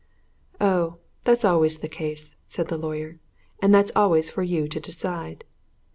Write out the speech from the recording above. "Oh, that's always the case," said the lawyer, "and that's always for you to decide."